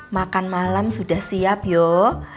makan malam sudah siap yuk